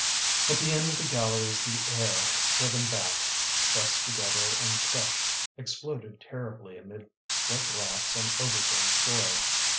At the end of the galleries the air, driven back, pressed together and crushed, exploded terribly amid split rocks and overthrown soil.